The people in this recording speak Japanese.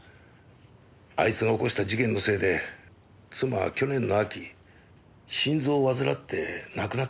あいつが起こした事件のせいで妻は去年の秋心臓を患って亡くなったんです。